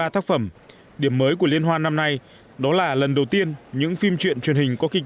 ba tác phẩm điểm mới của liên hoan năm nay đó là lần đầu tiên những phim truyện truyền hình có kịch